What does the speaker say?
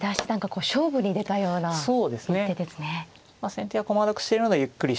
先手は駒得してるのでゆっくりしたい。